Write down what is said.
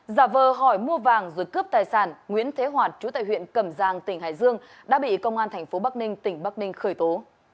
giả vờ hỏi mua vàng rồi cướp tài sản nguyễn thế hoạt chú tại huyện cẩm giang tỉnh hải dương đã bị công an tp bắc ninh tỉnh bắc ninh khởi tố